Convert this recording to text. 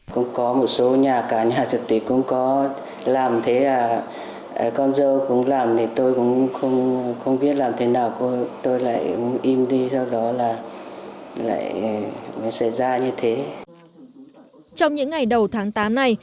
trong những ngày đầu tháng tám này cơ quan cảnh sát điều tra công an tỉnh bắc cạn đã có vụ việc này